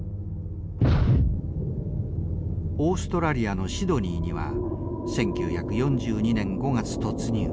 オーストラリアのシドニーには１９４２年５月突入。